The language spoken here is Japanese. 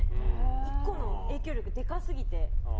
１個の影響力がでかすぎて。